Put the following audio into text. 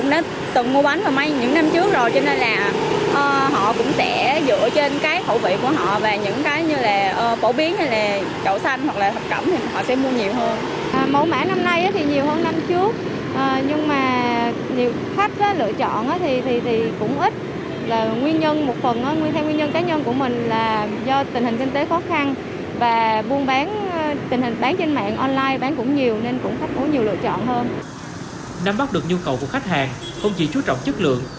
năm bắc được nhu cầu của khách hàng không chỉ chú trọng chất lượng